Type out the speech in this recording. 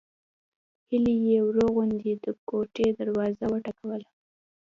هيلې يې ورو غوندې د کوټې دروازه وروټکوله